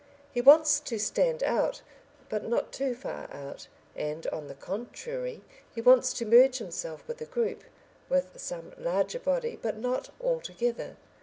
He wants to stand out, but not too far out, and, on the contrary, he wants to merge himself with a group, with some larger body, but not altogether.